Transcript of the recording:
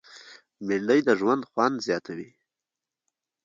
بېنډۍ د ژوند خوند زیاتوي